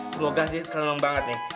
semoga sih selalu nolong banget nih